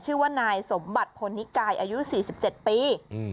ชื่อว่านายสมบัติพลนิกายอายุ๔๗ปี